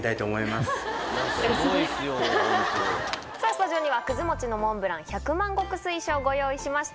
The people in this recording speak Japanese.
スタジオにはくず餅のモンブラン百万石水晶をご用意しました。